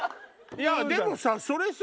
いやでもさそれさ。